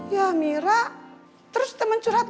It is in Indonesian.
ya mira terus temen curhatnya